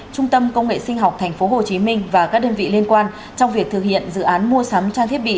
trung tâm công nghệ sinh học tp hcm và các đơn vị liên quan trong việc thực hiện dự án mua sắm trang thiết bị